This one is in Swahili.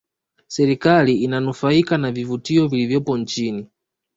serikali inanufaika na vivutio vilivopo nchini